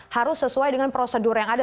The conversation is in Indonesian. harus sesuai dengan prosedur yang ada